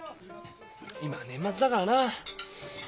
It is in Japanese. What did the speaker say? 今年末だからな。